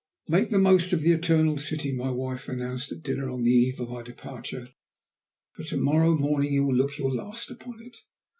"Make the most of the Eternal City," my wife announced at dinner on the eve of our departure, "for to morrow morning you will look your last upon it.